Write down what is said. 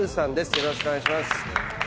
よろしくお願いします。